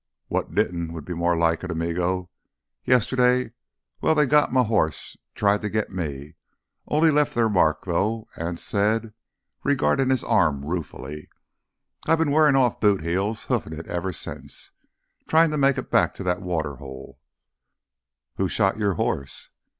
"What didn't would be more like it, amigo. Yesterday, well, they got m' hoss—tried to git me. Only left their mark, though," Anse said, regarding his arm ruefully. "I've been wearin' off boot heels hoofin' it ever since. Tryin' to make it back to that there water hole." "Who shot your horse?"